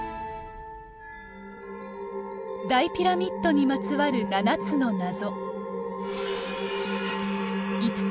大ピラミッドにまつわる七つの謎。